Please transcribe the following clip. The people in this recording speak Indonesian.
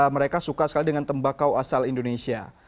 mereka suka sekali dengan tembakau asal indonesia